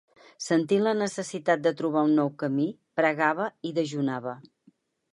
Sentint la necessitat de trobar un nou camí, pregava i dejunava.